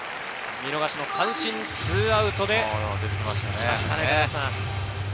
見逃しの三振２アウトで来ましたね。